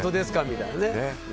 みたいな。